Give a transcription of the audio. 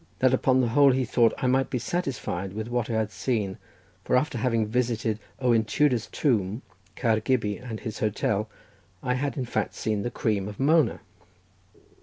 That upon the whole he thought I might be satisfied with what I had seen already, for after having visited Owen Tudor's tomb, Caer Gybi and his hotel, I had in fact seen the cream of Mona.